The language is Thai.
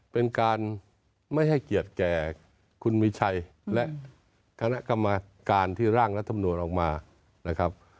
เป็นการไม่ให้เกียรติแก่คุณมีชัยและคณะกรรมการที่ร่างรัฐมนุนออกมานะครับ